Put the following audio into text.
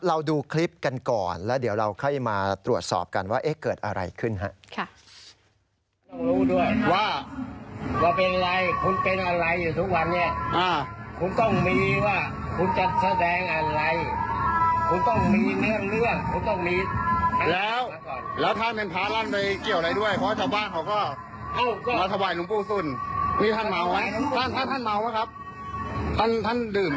ดูคลิปกันก่อนแล้วเดี๋ยวเราค่อยมาตรวจสอบกันว่าเกิดอะไรขึ้นฮะ